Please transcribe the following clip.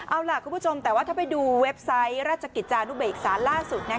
เอาล่ะคุณผู้ชมแต่ว่าถ้าไปดูเว็บไซต์ราชกิจจานุเบกษาล่าสุด